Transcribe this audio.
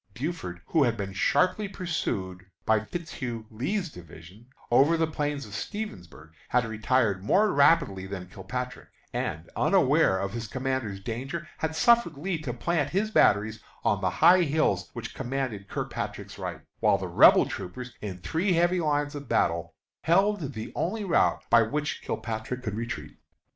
Buford, who had been sharply pursued by Fitzhugh Lee's division over the plains of Stevensburg, had retired more rapidly than Kilpatrick, and, unaware of his comrade's danger, had suffered Lee to plant his batteries on the high hills which commanded Kilpatrick's right, while the Rebel troopers, in three heavy lines of battle, held the only route by which Kilpatrick could retreat.